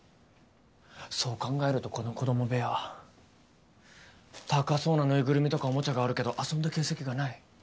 そう考えるとこの子供部屋高そうな縫いぐるみとかおもちゃがあるけど遊んだ形跡がない。